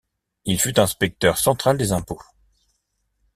Il fut inspecteur central des Impôts.